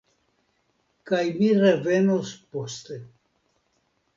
Kaj mi revenos poste.